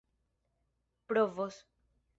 provos